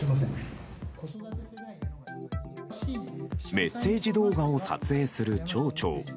メッセージ動画を撮影する町長。